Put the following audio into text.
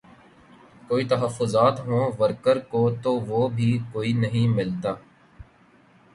کوئی تحفظات ہوں ورکر کو تو وہ بھی کوئی نہیں ملتا